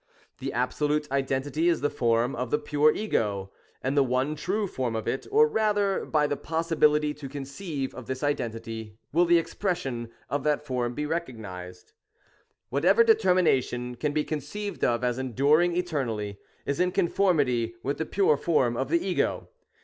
This absolute identity is the form of the pure Ego, and the one true form of it; — or rather, by the possibility to conceive of this identity will the expression of that form be recognized. Whatever determination can be conceived of as enduring eternally, is in conformity with the pure form of the Ego.